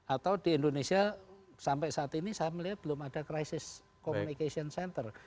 atau di indonesia sampai saat ini saya melihat belum ada crisis communication center